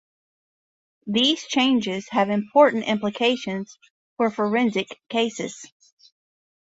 These changes have important implications for forensic cases.